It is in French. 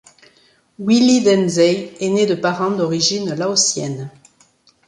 Willy Denzey est né de parents d'origine laotienne.